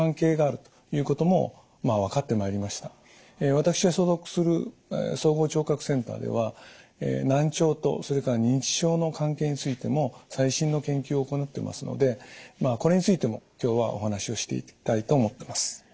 私が所属する総合聴覚センターでは難聴とそれから認知症の関係についても最新の研究を行ってますのでこれについても今日はお話をしていきたいと思ってます。